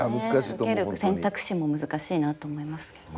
受ける選択肢も難しいなと思いますけど。